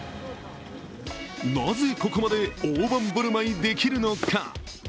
なぜここまで、大盤振る舞いできるのか。